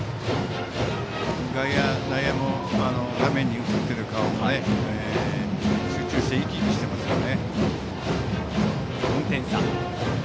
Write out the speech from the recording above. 外野、内野も画面に映っている顔も集中して、生き生きしていますね。